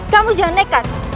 kamu jangan nekat